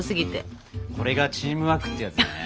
これがチームワークってやつだね。